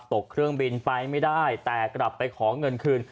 ตกเครื่องบินไปไม่ได้แต่กลับไปขอเงินคืน